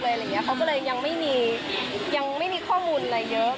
เขาก็เลยยังไม่มียังไม่มีข้อมูลอะไรเยอะ